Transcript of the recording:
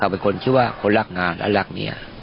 เป็นคนชื่อว่าคนรักงานและรักเมีย